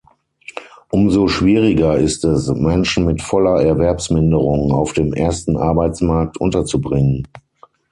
Umso schwieriger ist es, Menschen mit voller Erwerbsminderung auf dem Ersten Arbeitsmarkt unterzubringen.